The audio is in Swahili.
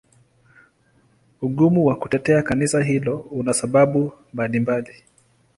Ugumu wa kutetea Kanisa hilo una sababu mbalimbali.